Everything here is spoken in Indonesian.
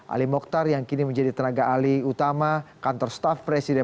ali mokhtar yang kini menjadi tenaga alih utama kantor staff presiden